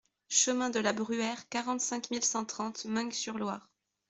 Chemin de la Bruère, quarante-cinq mille cent trente Meung-sur-Loire